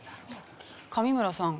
上村さん。